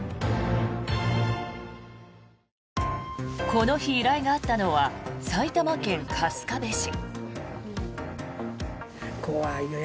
この日、依頼があったのは埼玉県春日部市。